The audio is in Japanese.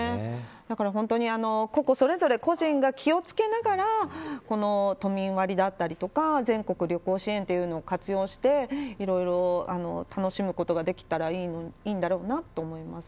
だから本当に個々それぞれ個人が気を付けながらこの都民割だったり全国旅行支援というのを活用していろいろ楽しむことができたらいいんだろうなと思います。